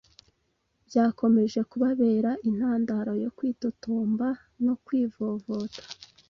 Byakomeje kubabera intandaro yo kwitotomba no kwivovota